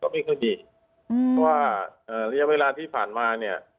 เพราะว่าระยะเวลาที่ผ่านมา